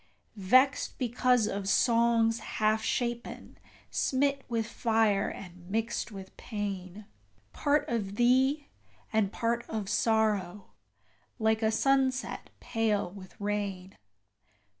Vexed because of songs half shapen, smit with fire and mixed with pain: Part of thee, and part of Sorrow, like a sunset pale with rain.